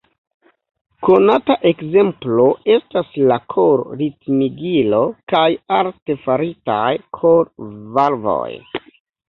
Konata ekzemplo estas la kor-ritmigilo kaj artefaritaj kor-valvoj.